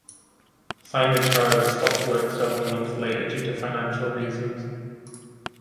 Cinege however stopped work several months later due to financial reasons.